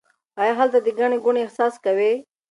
آیا هلته د ګڼې ګوڼې احساس کوئ؟